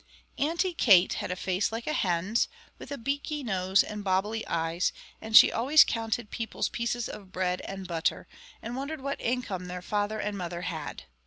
Auntie Kate had a face like a hen's, with a beaky nose and bobbly eyes, and she always counted people's pieces of bread and butter, and wondered what income their father and mother had.